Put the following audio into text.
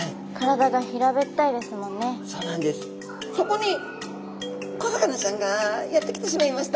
そこに小魚ちゃんがやって来てしまいました。